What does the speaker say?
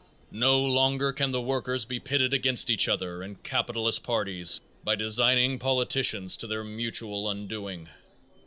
No longer can the workers be pitted against each other in capitalist parties by designing politicians to their mutual undoing.